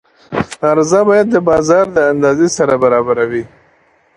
عرضه باید د بازار د اندازې سره برابره وي.